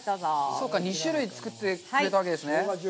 そうか、２種類、作ってくれたわけですね。